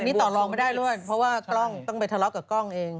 อันนี้ตอรองไม่ได้ล่ะว่ะเพราะว่าต้องไปทะเลาะกับกล้องเอง